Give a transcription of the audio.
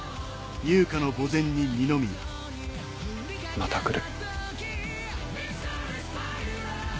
また来る。